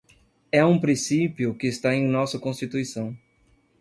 é um princípio que está em nossa Constituição